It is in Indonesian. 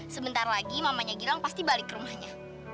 sebentar lagi mamanya gilang pasti balik ke rumahnya